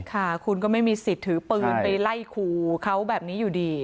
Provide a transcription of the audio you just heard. ค่ะคุณก็ไม่มีสิทธิ์ถือปืนไปไล่ขู่เขาแบบนี้อยู่ดี